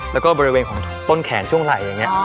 แล้วก็บริเวณของต้นแขนช่วงไหล่อย่างนี้